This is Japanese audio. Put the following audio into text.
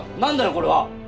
これは。